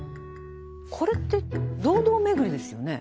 これって堂々巡りですよね。